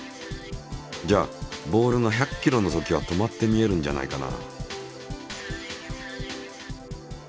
じゃあボールが１００キロのときは止まって見えるんじゃないかな？